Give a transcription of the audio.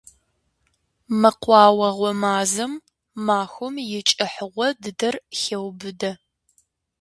Мэкъуауэгъуэ мазэм махуэм и кӀыхьыгъуэ дыдэр хеубыдэ.